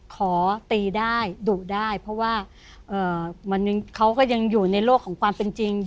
ขอตีได้ดุได้เพราะว่าเขาก็ยังอยู่ในโลกของความเป็นจริง